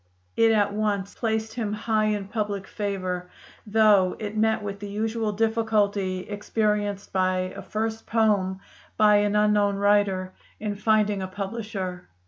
It at once placed him high in public favor, though it met with the usual difficulty experienced by a first poem by an unknown writer, in finding a publisher.